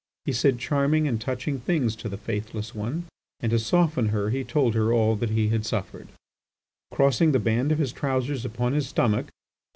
He said charming and touching things to the faithless one, and, to soften her, he told her all that he had suffered. Crossing the band of his trousers upon his stomach.